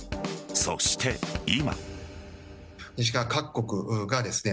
そして、今。